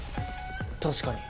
確かに。